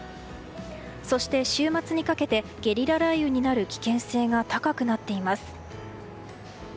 そして、週末にかけてゲリラ雷雨になる危険性が高くなっています。